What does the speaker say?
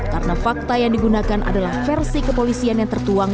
karena fakta yang digunakan adalah versi kepolisian yang tertuang